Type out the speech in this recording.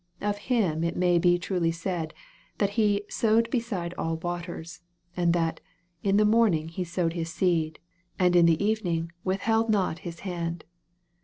Of Him it may be truly said, that He " sowed beside all waters," and that " in the morning He sowed his seed, and in the evening withheld not His hand."